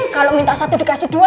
kalau minta satu dikasih dua